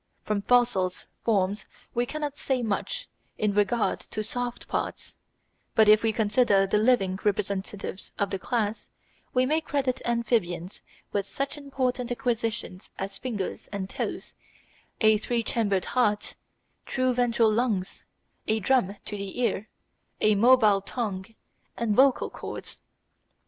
From fossil forms we cannot say much in regard to soft parts; but if we consider the living representatives of the class, we may credit amphibians with such important acquisitions as fingers and toes, a three chambered heart, true ventral lungs, a drum to the ear, a mobile tongue, and vocal cords.